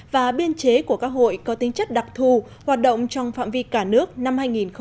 và biên chế của các hội có tính chất đặc thù hoạt động trong phạm vi cả nước năm hai nghìn hai mươi